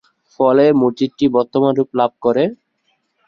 ফলে মসজিদটি বর্তমান রূপ লাভ করে।